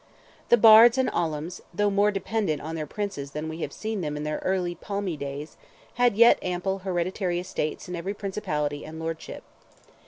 The Bards and Ollams, though more dependent on their Princes than we have seen them in their early palmy days, had yet ample hereditary estates in every principality and lordship.